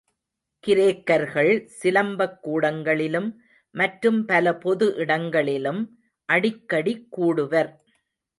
கிரேக்கர்கள் சிலம்பக் கூடங்களிலும், மற்றும் பல பொது இடங்களிலும் அடிக்கடி கூடுவர்.